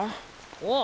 ああ。